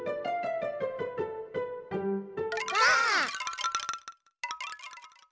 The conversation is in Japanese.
ばあっ！